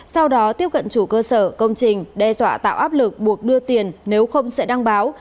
sau đó tiếp cận chủ cơ sở công trình đe dọa tạo áp lực buộc đưa tiền nếu không sẽ đăng báo